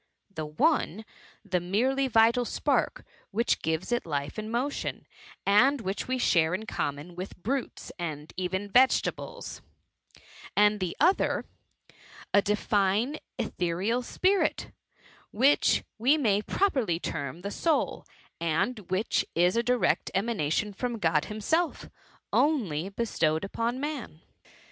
The one, the merely vital spark which gives it life and mo* tion, and which we share in conmion with brutes, and even vegetables; and the other, the divine ethereal spirit,«which we may pro perly term the soul, and which is a direct ema nation from God himself, only bestowed upon man.